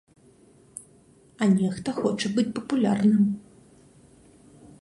А нехта хоча быць папулярным.